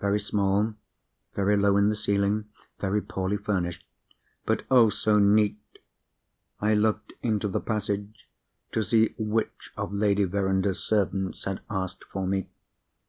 Very small, very low in the ceiling, very poorly furnished—but, oh, so neat! I looked into the passage to see which of Lady Verinder's servants had asked for me.